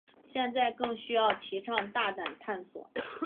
现在更需要提倡大胆探索。